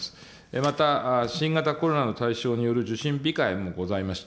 また、新型コロナの対象による受診控えもございました。